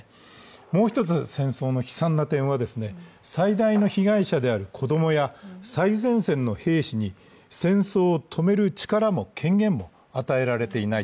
もう一つ戦争の悲惨な点は最大の被害者である子供や最前線の兵士に戦争を止める力も権限も与えられていない。